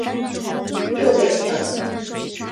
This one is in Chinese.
又被骗了